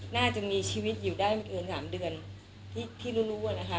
น่าจะมีชีวิตอยู่ได้ไม่เกิน๓เดือนที่รู้อะนะคะ